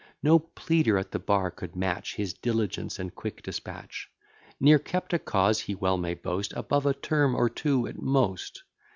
No pleader at the bar could match His diligence and quick dispatch; Ne'er kept a cause, he well may boast, Above a term or two at most.